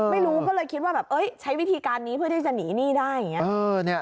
ไม่รู้ก็เลยคิดว่าแบบใช้วิธีการนี้เพื่อที่จะหนีหนี้ได้อย่างนี้